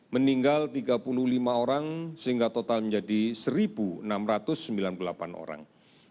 meninggal tiga puluh lima orang sehingga total menjadi satu enam ratus sembilan puluh delapan orang